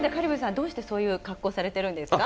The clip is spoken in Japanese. どうしてそういう格好されてるんですか？